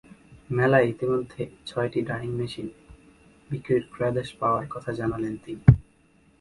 মেলায় ইতিমধ্যে ছয়টি ডায়িং মেশিন বিক্রির ক্রয়াদেশ পাওয়ার কথা জানালেন তিনি।